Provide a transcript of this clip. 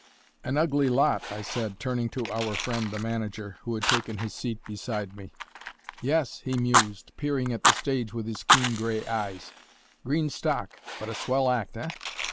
"An ugly lot," I said, turning to our friend the manager, who had taken his seat beside me. "Yes," he mused, peering at the stage with his keen gray eyes; "green stock, but a swell act, eh?